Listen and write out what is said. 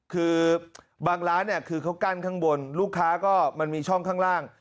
คือบางร้านเนี่ยคือเขากั้นข้างบนลูกค้าก็มันมีช่องข้างล่าง